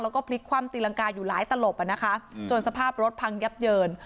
แล้วก็พลิกคว่ำตีรังกาอยู่หลายตลบอ่ะนะคะจนสภาพรถพังยับเยิน